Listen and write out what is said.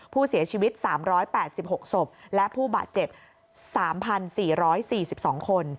ผู้เสียชีวิต๓๘๖ศพและผู้บาดเจ็บ๓๔๔๒คน